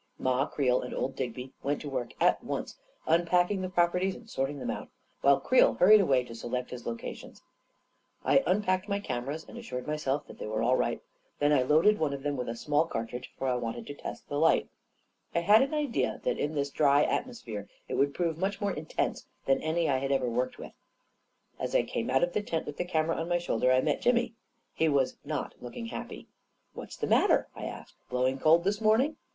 Ma Creel and old Digby went to work at once unpacking the properties and sorting them out, while Creel hurried away to select his locations. I unpacked my cameras and assured myself that they were all right; then I loaded one of them with a small cartridge, for I wanted to test the light. I had an idea that in this dry atmosphere it would prove much more intense than any I had ever worked with. As I came out of the tent, with the camera on my shoulder, I met Jimmy. He was not looking happy. t i 11 A KING IN BABYLON 143 " What's the matter? " I asked. " Blowing cold this morning?"